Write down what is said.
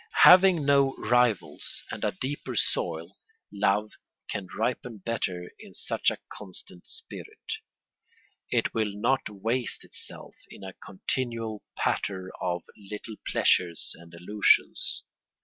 Having no rivals and a deeper soil, love can ripen better in such a constant spirit; it will not waste itself in a continual patter of little pleasures and illusions.